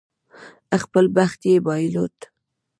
خپل بخت یې بایلود.